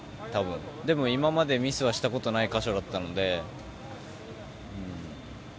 でも、今までミスをしたことがない箇所だったので。